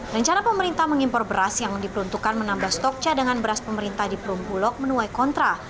rencana pemerintah mengimpor beras yang diperuntukkan menambah stok cadangan beras pemerintah di perumbulok menuai kontra